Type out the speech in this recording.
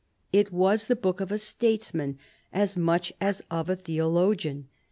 It was the book of a statesman as much as of a theologian.